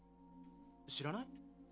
知らない？